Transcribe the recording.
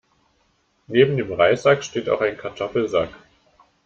Neben dem Reissack steht auch ein Kartoffelsack.